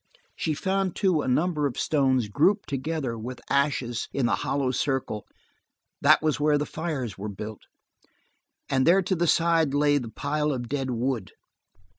She found, too, a number of stones grouped together with ashes in the hollow circle that was where the fires were built, and there to the side lay the pile of dead wood.